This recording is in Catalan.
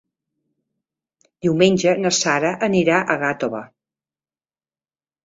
Diumenge na Sara anirà a Gàtova.